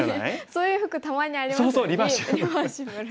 そういう服たまにありますよね。